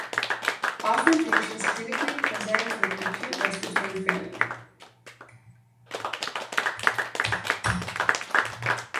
Often patients clinically present with acute respiratory failure.